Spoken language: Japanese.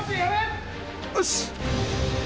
よし。